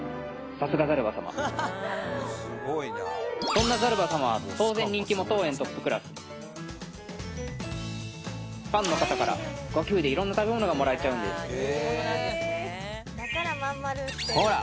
そんなザルバ様は当然人気も当園トップクラスファンの方からご寄付で色んな食べ物がもらえちゃうんですほら